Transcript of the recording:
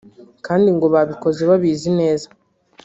kandi ngo babikoze babizi neza